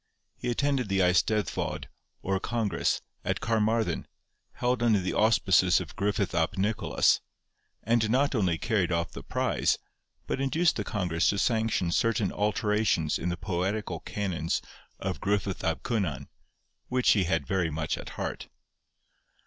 He attended the Eisteddfod, or congress, at Carmarthen, held under the auspices of Griffith ap Nicholas, and not only carried off the prize, but induced the congress to sanction certain alterations in the poetical canons of Gruffudd ab Cynan, which he had very much at heart.